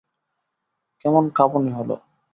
কেমন কাঁপুনি হলো।